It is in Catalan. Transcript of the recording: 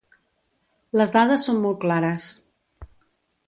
Les dades són molt clares.